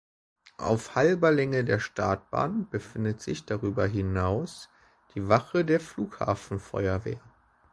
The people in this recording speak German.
Auf halber Länge der Startbahn befindet sich darüber hinaus die Wache der Flughafenfeuerwehr.